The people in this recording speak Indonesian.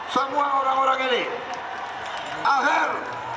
semua orang orang ini aher